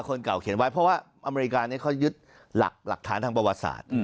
คนเก่าเขียนไว้เพราะว่าอเมริกานี้เขายึดหลักฐานทางประวัติศาสตร์